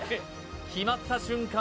決まった瞬間